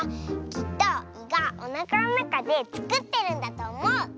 きっと「い」がおなかのなかでつくってるんだとおもう！